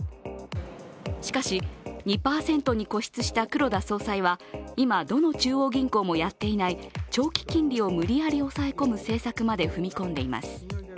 しかし２％に固執した黒田総裁は今、どの中央銀行もやっていない長期金利を無理やり押さえ込む政策まで踏み込んでいます。